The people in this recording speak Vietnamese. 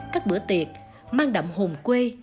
các bữa tiệc mang đậm hồn quê